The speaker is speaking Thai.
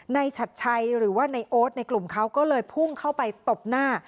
ชัดชัยหรือว่าในโอ๊ตในกลุ่มเขาก็เลยพุ่งเข้าไปตบหน้า